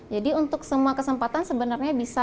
jadi untuk semua kesempatan sebenarnya bisa digunakan